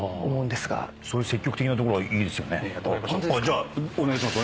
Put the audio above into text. じゃあお願いします。